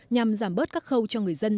nhằm giảm bớt các khâu cho người dân